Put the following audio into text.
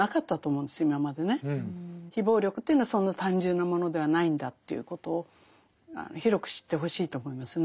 非暴力というのはそんな単純なものではないんだということを広く知ってほしいと思いますね。